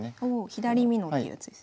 左美濃ってやつですね。